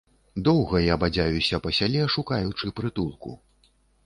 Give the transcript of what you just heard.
Доўга я бадзяюся па сяле, шукаючы прытулку.